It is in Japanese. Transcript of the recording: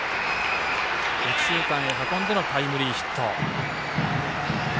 右中間へ運んでのタイムリーヒット。